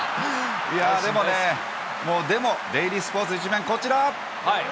でもね、もう、でもデイリースポーツ１面、こちら。